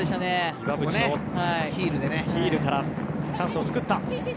岩渕のヒールからチャンスを作った。